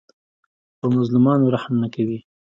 په مظلومانو رحم نه کوي.